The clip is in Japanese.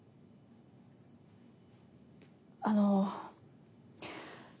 あの。